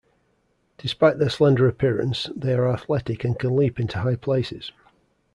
Despite their slender appearance, they are athletic and can leap into high places.